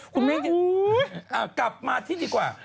กลับมาที่ดีกว่า